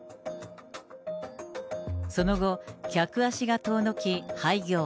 その後、客足が遠のき廃業。